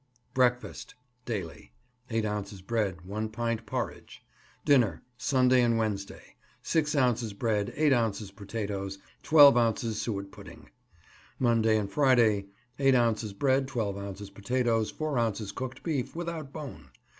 Breakfast. Daily 8 ounces bread, 1 pint porridge. Dinner Sunday and Wednesday 6 ounces bread, 8 ounces potatoes, 12 ounces suet pudding. Monday and Friday 8 ounces bread, 12 ounces potatoes, 4 ounces cooked beef (without bone).